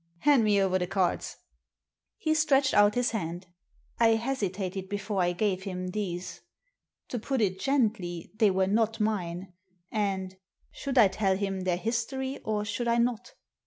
Hand me over the cards." He stretched out his hand. I hesitated before I gave him these. To put it gently, they were not mine. And — should I tell him their history or should I not